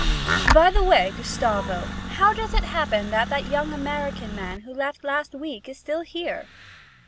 'By the way, Gustavo, how does it happen that that young American man who left last week is still here?'